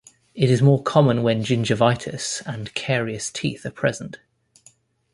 It is more common when gingivitis and carious teeth are present.